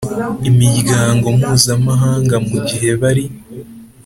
Imiryango mpuzamahanga mu gihe bari